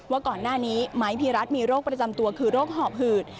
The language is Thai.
ว่าก่อนหน้านี้ไม้พีรัตนมีโรคประจำตัวคือโรคหอบหืด